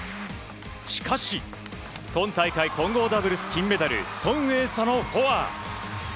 しかし今大会混合ダブルス金メダルソン・エイサのフォア。